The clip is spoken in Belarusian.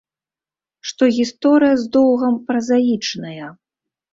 Што гісторыя з доўгам празаічная.